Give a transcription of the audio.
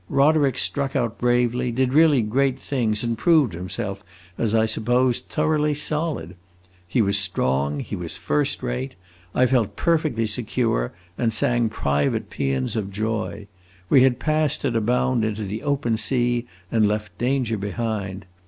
Roderick struck out bravely, did really great things, and proved himself, as I supposed, thoroughly solid. He was strong, he was first rate; I felt perfectly secure and sang private paeans of joy. We had passed at a bound into the open sea, and left danger behind.